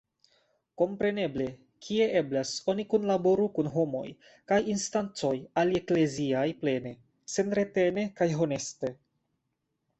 Kompreneble, kie eblas, oni kunlaboru kun homoj kaj instancoj aliekleziaj plene, senretene kaj honeste.